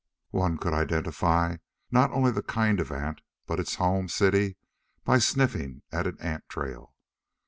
One could identify not only the kind of ant, but its home city, by sniffing at an ant trail.